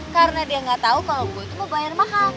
karena dia gak tau kalau gue mau bayar mahal